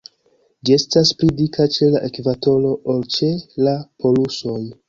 Ĝi estas pli dika ĉe la ekvatoro ol ĉe la polusoj.